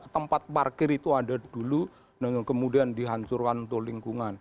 tempat parkir itu ada dulu kemudian dihancurkan untuk lingkungan